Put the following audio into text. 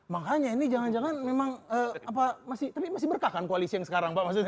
makanya ini jangan jangan memang apa masih tapi masih berkah kan koalisi yang sekarang pak maksudnya